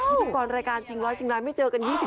ที่ก่อนรายการจริงร้อยจริงร้ายไม่เจอกัน๒๕ปี